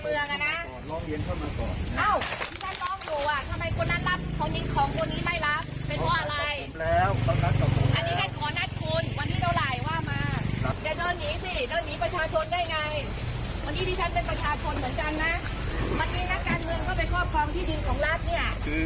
เมื่อกี้นักการเงินเข้าไปครอบครองที่ดินของรัฐเนี้ยคือ